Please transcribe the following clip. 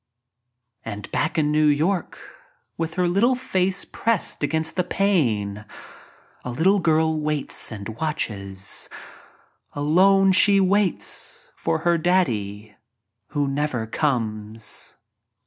And back in New York with her little face pressed against the pane a little girl waits and watches — alone she waits for her "Daddy" who never comes.